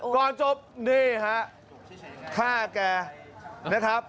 ก่อนจบนี่ฮะฆ่าแกนะครับ